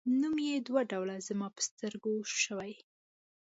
نوم یې دوه ډوله زما په سترګو شوی.